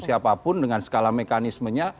siapapun dengan skala mekanismenya